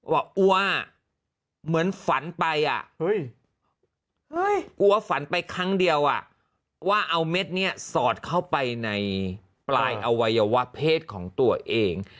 ว่าอัวเหมือนฝันไปกลัวฝันไปครั้งเดียวว่าเอาเม็ดนี้สอดเข้าไปในปลายอวัยวะเพศของตัวเอง